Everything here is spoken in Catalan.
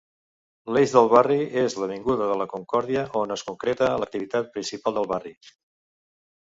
L'eix del barri és l'avinguda de la Concòrdia, on es concentra l'activitat principal al barri.